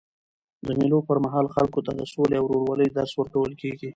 د مېلو پر مهال خلکو ته د سولي او ورورولۍ درس ورکول کېږي.